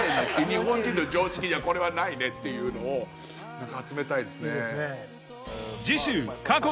日本人の常識にはこれはないねっていうのを集めたいですね。